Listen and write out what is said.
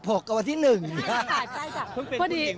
เพราะคุณเป็นคนผู้หญิงเมื่อวานเนี่ยเอง